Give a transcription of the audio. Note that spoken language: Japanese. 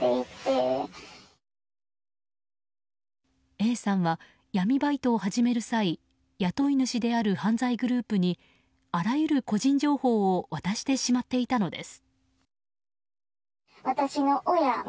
Ａさんは闇バイトを始める際雇い主である犯罪グループにあらゆる個人情報を渡してしまっていたのです。